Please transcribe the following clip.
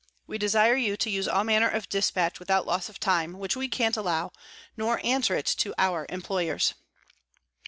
We desire you to use all manner of Dispatch without loss of time, which we can't allow, nor answer it to our Employers.